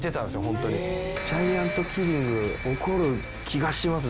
ホントにジャイアントキリング起こる気がしますね